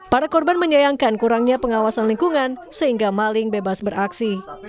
para korban menyayangkan kurangnya pengawasan lingkungan sehingga maling bebas beraksi